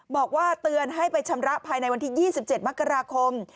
บอกว่าเตือนให้ไปชำระภายในวันที่๒๗มกราคม